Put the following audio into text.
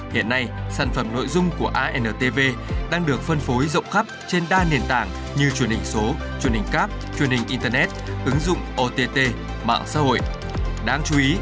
hiện nay sản phẩm nội dung của antv đang được phân phối rộng khắp trên đa nền tảng như truyền hình số truyền hình cab truyền hình internet ứng dụng ott mạng xã hội